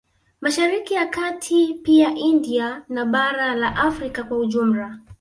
Mashariki ya kati pia India na bara la Afrika kwa Ujumla